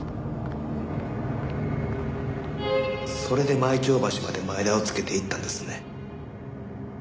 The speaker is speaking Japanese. それで舞澄橋まで前田をつけていったんですね。